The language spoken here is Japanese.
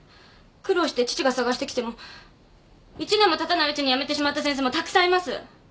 苦労して父が探してきても１年もたたないうちに辞めてしまった先生もたくさんいます。